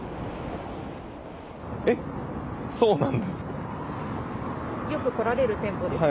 えっ、そうなんですか。